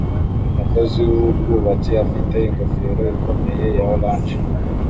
Umukozi wubwubatsi afite ingofero ikomeye ya orange